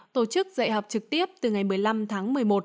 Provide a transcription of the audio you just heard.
tổ chức dạy học trực tiếp từ ngày một mươi năm tháng một mươi một